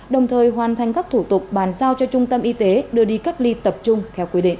đồng thời hoàn thành các thủ tục bàn giao cho trung tâm y tế đưa đi cách ly tập trung theo quy định